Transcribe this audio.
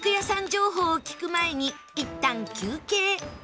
情報を聞く前にいったん休憩